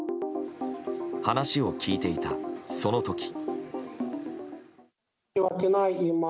話を聞いていた、その時。